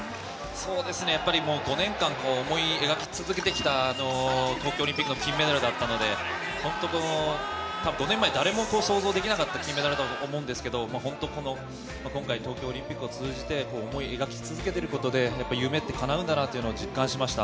そうですね、やっぱりもう５年間想い描き続けてきた東京オリンピックの金メダルだったので、本当、５年前、誰も想像できなかった金メダルだと思うんですけど、本当、今回、東京オリンピックを通じて、思い描き続けてることで、やっぱり夢ってかなうんだなっていうのを実感しました。